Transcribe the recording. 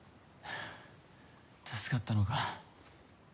助かったのか。